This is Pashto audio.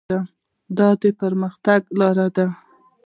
دا د پرمختګ لاره ده.